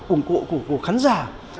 ủng hộ của khán giả